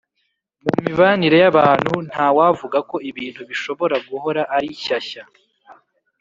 mu mibanire y’abantu, ntawavuga ko ibintu bishobora guhora ari shyashya.